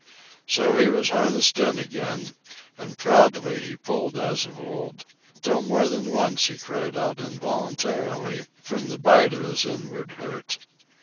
So he was harnessed in again, and proudly he pulled as of old, though more than once he cried out involuntarily from the bite of his inward hurt.